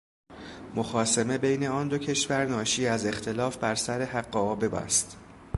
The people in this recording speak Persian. مخاصمه بین آن دو کشور ناشی از اختلاف بر سر حقابه است